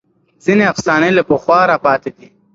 ځینې افسانې له پخوا راپاتې دي.